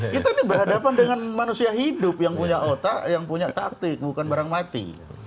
kita ini berhadapan dengan manusia hidup yang punya otak yang punya taktik bukan barang mati